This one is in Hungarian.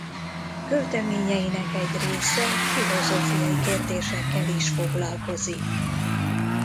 Költeményeinek egy része filozófiai kérdésekkel is foglalkozik.